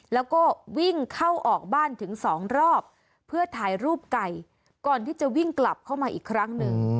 แล้วก็วิ่งเข้าออกบ้านถึงสองรอบเพื่อถ่ายรูปไก่ก่อนที่จะวิ่งกลับเข้ามาอีกครั้งหนึ่ง